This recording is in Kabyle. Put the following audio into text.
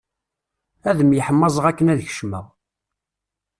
Ad myeḥmaẓeɣ akken ad kecmeɣ.